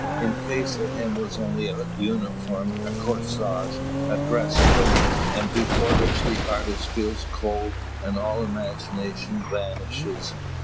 In face of him was only a uniform, a corsage, a dress coat, and before which the artist feels cold and all imagination vanishes.